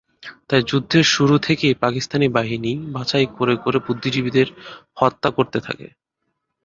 তাই যুদ্ধের শুরু থেকেই পাকিস্তানি বাহিনী বাছাই করে করে বুদ্ধিজীবীদের হত্যা করতে থাকে।